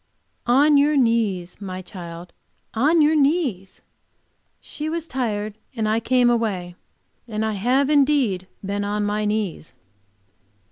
"On your knees, my child, on your knees!" She was tired, and I came away; and I have indeed been on my knees.